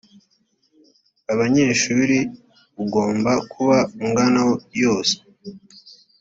abanyeshuri ugomba kuba ungana yose